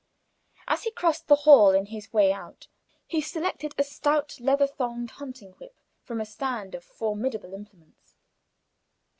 As he crossed the hall in his way out, he selected a stout leather thonged hunting whip from a stand of formidable implements.